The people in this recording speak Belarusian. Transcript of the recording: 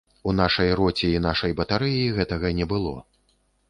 У нашай роце і нашай батарэі гэтага не было.